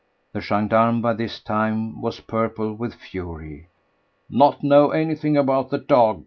The gendarme by this time was purple with fury. "Not know anything about the dog?"